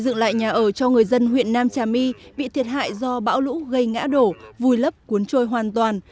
dựng lại nhà ở cho người dân huyện nam trà my bị thiệt hại do bão lũ gây ngã đổ vùi lấp cuốn trôi hoàn toàn